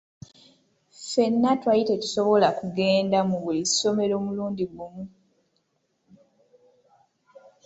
Ffenna twali tetusobola kugenda mu buli ssomero mulundi gumu.